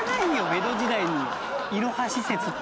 江戸時代にいろは施設って。